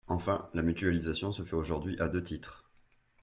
Enfin, la mutualisation se fait aujourd’hui à deux titres.